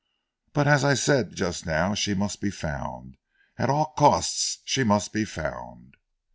But as I said just now, she must be found, at all costs she must be found!"